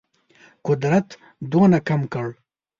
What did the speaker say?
قدرت دونه کم کړ.